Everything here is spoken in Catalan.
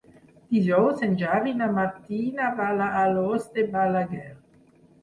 Dijous en Xavi i na Martina van a Alòs de Balaguer.